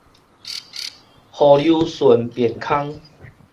鰗鰡循便空